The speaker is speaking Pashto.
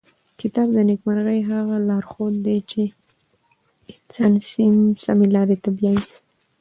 کتاب د نېکمرغۍ هغه لارښود دی چې انسان سمې لارې ته بیايي.